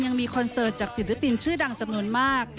คอนเสิร์ตจากศิลปินชื่อดังจำนวนมาก